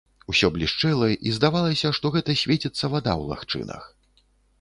Усё блішчэла, і здавалася, што гэта свеціцца вада ў лагчынах.